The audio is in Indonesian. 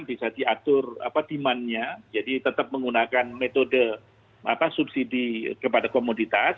bisa diatur demandnya jadi tetap menggunakan metode subsidi kepada komoditas